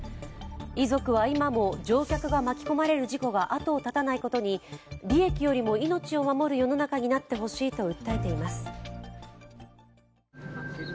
遺族は今も乗客が巻き込まれる事故が後を絶たないことに、利益よりも命を守る世の中になってほしいと訴えています。